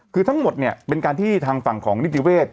คือทั้งหมดเป็นการที่ทางฝั่งของนิดไป